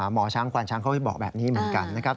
หมอช้างควานช้างเขาบอกแบบนี้เหมือนกันนะครับ